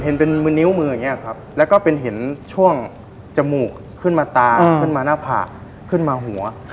เห็นเป็นมือนิ้วมืออย่างนี้ครับแล้วก็เป็นเห็นช่วงจมูกขึ้นมาตาขึ้นมาหน้าผากขึ้นมาหัว